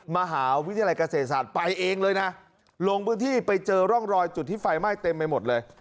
มหาวิทยาลัยเกษตรศาสตร์ไปเองเลยนะลงพื้นที่ไปเจอร่องรอยจุดที่ไฟไหม้เต็มไปหมดเลย